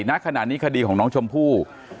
ณขณะนี้คดีของน้องชมพู่